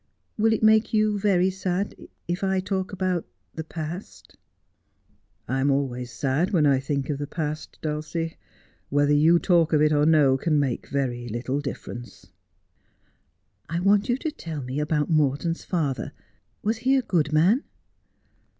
Will it make you very sad if I talk about — the past V ' 1 am always sad when I think of the past, Dulcie. Whether you talk of it or no can make very little difference.' ' I want you to tell me about Morton's father. Was he a good man?'